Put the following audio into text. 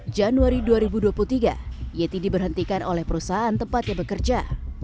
januari dua ribu dua puluh tiga yeti diberhentikan oleh perusahaan tempatnya bekerja